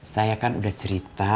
saya kan udah cerita